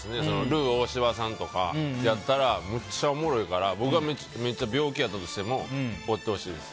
ルー大柴さんとかやったらめっちゃおもろいから僕はめっちゃ病気やったとしてもおってほしいです。